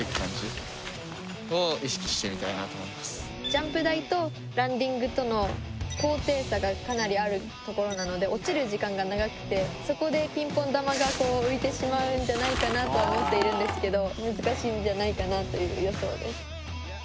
ジャンプ台とランディングとの高低差がかなりあるところなので落ちる時間が長くてそこでピンポン球が浮いてしまうんじゃないかなとは思っているんですけど